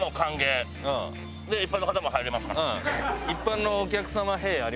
一般のお客様「へぇ」？